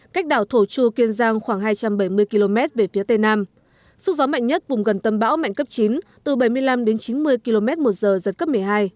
cách đảo thổ chu kiên giang khoảng hai trăm bảy mươi km về phía tây nam sức gió mạnh nhất vùng gần tâm bão mạnh cấp chín từ bảy mươi năm đến chín mươi km một giờ giật cấp một mươi hai